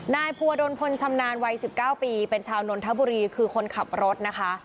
นายภูวดลพลชำนาญวัย๑๙ปีเป็นชาวนนทบุรีคือคนขับรถนะคะ